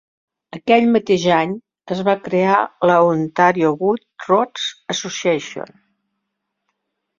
Aquell mateix any, es va crear la Ontario Good Roads Association.